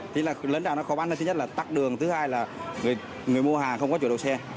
thế là lớn ra nó khó bán hơn thứ nhất là tắt đường thứ hai là người mua hàng không có chỗ đồ xe